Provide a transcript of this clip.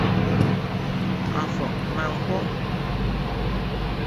Afọr na Nkwọ